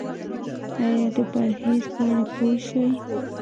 ایا د پرهیز په اړه پوه شوئ؟